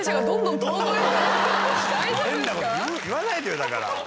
変なこと言わないでよだから。